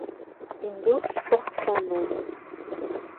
Une bourse porte son nom.